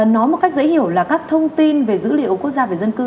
nói một cách dễ hiểu là các thông tin về dữ liệu quốc gia về dân cư